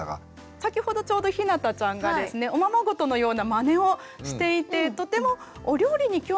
先ほどちょうどひなたちゃんがですねおままごとのようなマネをしていてとてもお料理に興味があるのかなと。